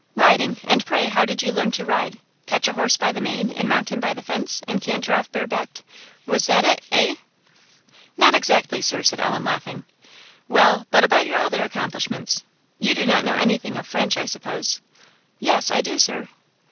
"Riding! and pray how did you learn to ride? Catch a horse by the mane, and mount him by the fence, and canter off bare backed? was that it eh?" "Not exactly, Sir," said Ellen, laughing. "Well, but about your other accomplishments. You do not know anything of French, I suppose?" "Yes, I do, Sir."